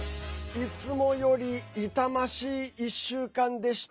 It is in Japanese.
いつもより痛ましい１週間でした。